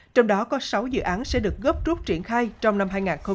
trong đó có sáu dự án sẽ được góp rút triển khai trong năm hai nghìn một mươi bảy